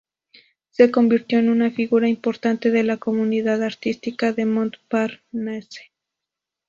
Se convirtió en una figura importante de la comunidad artística de Montparnasse.